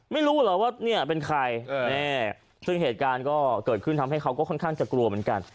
ไม่รู้เหรอว่าเนี่ยเป็นใครซึ่งเหตุการณ์ก็เกิดขึ้นทำให้เขาก็ค่อนข้างจะกลัวเหมือนกัน